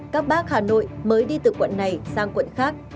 các bác hà nội mới đi từ quận này sang quận khác